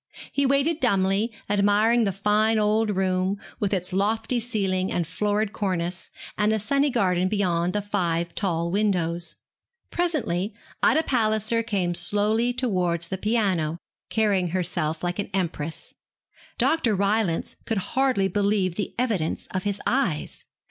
He waited dumbly, admiring the fine old room, with its lofty ceiling, and florid cornice, and the sunny garden beyond the five tall windows. Presently Ida Palliser came slowly towards the piano, carrying herself like an empress. Dr. Rylance could hardly believe the evidence of his eyes.